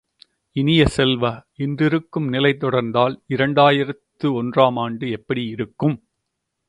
இனிய செல்வ, இன்றிருக்கும் நிலை தொடர்ந்தால் இரண்டு ஆயிரத்து ஒன்று ஆம் ஆண்டு எப்படி இருக்கும்?